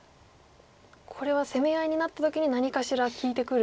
これは攻め合いになった時に何かしら利いてくるということですか？